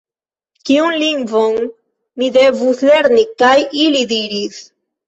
Kiun lingvon mi devus lerni? kaj ili diris: